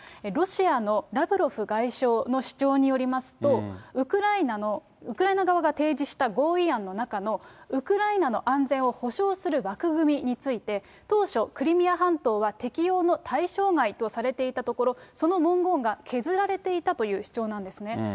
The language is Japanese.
ロシアのラブロフ外相の主張によりますと、ウクライナ側が提示した合意案の中のウクライナの安全を保障する枠組みについて、当初、クリミア半島は適用の対象外とされていたところ、その文言が削られていたという主張なんですね。